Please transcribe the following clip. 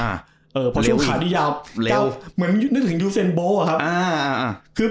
เออเพราะช่วงขาดี้ยาวเหมือนหนึ่งถึงยูเซชน์โบ้อ่ะครับ